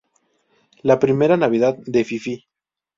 La Primera Navidad de Fifi.